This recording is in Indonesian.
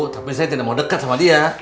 tapi saya tidak mau dekat sama dia